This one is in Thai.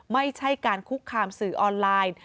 ไม่ใช่การคุกคามสื่อออนไลน์